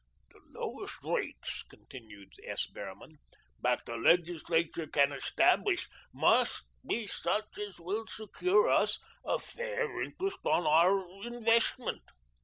"The lowest rates," continued S. Behrman, "that the legislature can establish must be such as will secure us a fair interest on our investment."